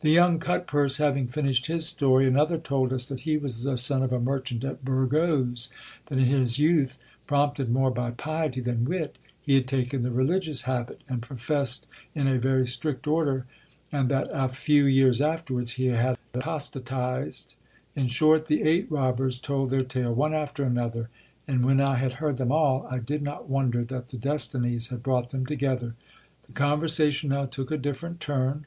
The young cut purse having finished his story, another told us that he was the son of a merchant at Burgos ; that, in his youth, prompted more by piety than wit, he had taken the religious habit and professed in a very strict order, and that a few years afterwards he had apostatizedV In short, the'eight robbers told their tale one after another, and when I had heard them all, I did not wonder that the destinies had brought them together. The conversation now took a different turn.